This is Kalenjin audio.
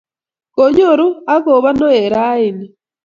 konyoru ak ko bo noe raini.